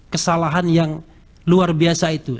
kesalahan yang luar biasa itu